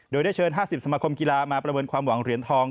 โดยได้เชิญ๕๐สมาคมกีฬามาประเมินความหวังเหรียญทอง